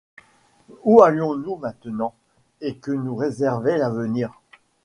Où allions-nous maintenant, et que nous réservait l’avenir ?